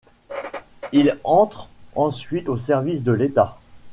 Il entre ensuite au service de l'État.